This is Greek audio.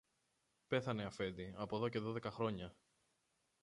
Πέθανε, αφέντη, από δω και δώδεκα χρόνια.